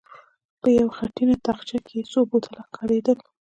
په يوه خټينه تاخچه کې څو بوتله ښکارېدل.